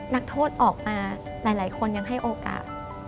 นักโทษออกมาหลายคนยังให้โอกาส